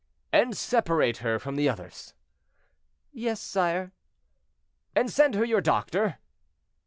"And separate her from the others?" "Yes, sire." "And send her your doctor?"